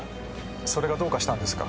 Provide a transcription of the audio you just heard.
それがどうかしたんですか？